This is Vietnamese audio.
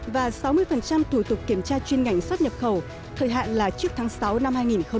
và sáu mươi thủ tục kiểm tra chuyên ngành xuất nhập khẩu thời hạn là trước tháng sáu năm hai nghìn hai mươi